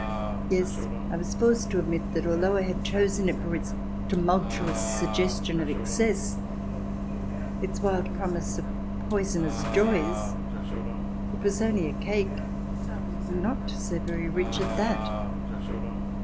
Yes, I was forced to admit that, although I had chosen it for its tumultuous suggestion of excess, its wild promise of poisonous joys, it was only a cake, and not so very rich at that.